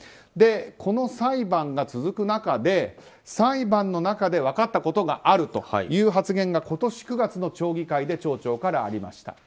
この裁判が続く中で、裁判の中で分かったことがあるという発言が今年９月の町議会で町長からありました。